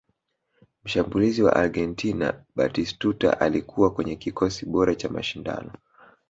mshambulizi wa argentina batistuta alikuwa kwenye kikosi bora cha mashindano